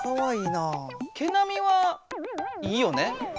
毛なみはいいよね。